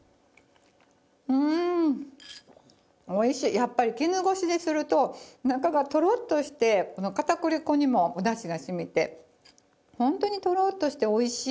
やっぱり絹ごしですると中がとろっとしてこの片栗粉にもおだしが染みてホントにとろっとしておいしい。